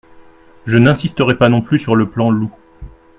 Je n’insisterai pas non plus sur le plan loup.